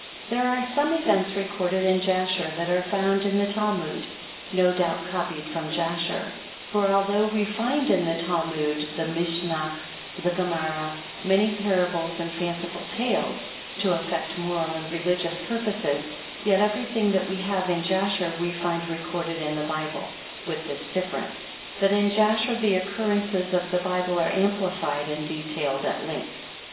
There are some events recorded in Jasher, that are found in the Talmud, no doubt copied from Jasher ; for although we find in the Talmud, the Mishnah, and Gemarrah, many parables and fanciful tales, to eff'ect moral and religious purposes, yet every thing that we have in Jasher we find recorded in the Bible, with this difference, that in Jasher the occurrences of the Bible are amplified and detailed at length.